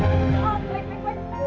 oh baik baik baik baik